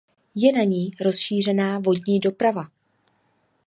Je na ní rozšířená vodní doprava.